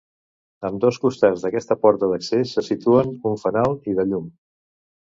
Ambdós costats d'aquesta porta d'accés se situa un fanal de llum.